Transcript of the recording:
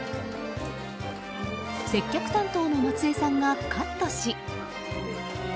接客担当の松江さんがカットし。